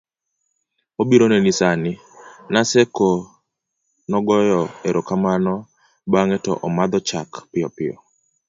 obiro neni sani, Naseko nogoyo erokamano bang'e to omadho chak piyo piyo